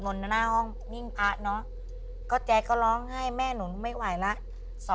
เมื่อแม่ทำไง